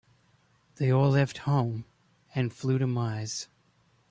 They all left home and flew to Mars.